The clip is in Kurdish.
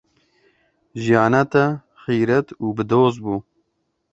Jiyana te xîret û bi doz bû.